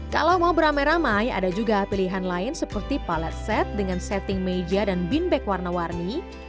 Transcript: kalau mau beramai ramai ada juga pilihan lain seperti pilot set dengan setting meja dan bin bag warna warni